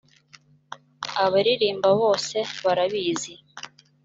abaririmba bose barabizi